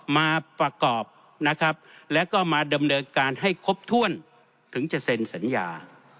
มาประกอบนะครับแล้วก็มาดำเนินการให้ครบถ้วนถึงจะเซ็นสัญญา